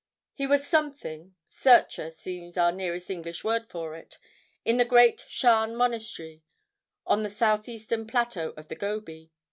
He was something—searcher, seems our nearest English word to it—in the great Shan Monastery on the southeastern plateau of the Gobi.